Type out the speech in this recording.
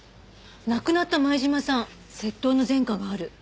亡くなった前島さん窃盗の前科がある。